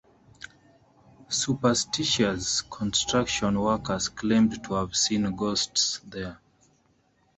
Superstitious construction workers claimed to have seen ghosts there.